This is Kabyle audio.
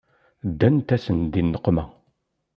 Ddant-asen di nneqma.